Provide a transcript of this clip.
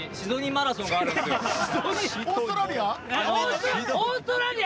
オーストラリア？